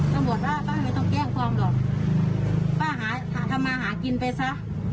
ตำรวจว่าป้าไม่ต้องแจ้งความหรอกป้าหาทำมาหากินไปซะ